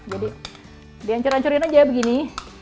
jadi dihancur hancurin aja begini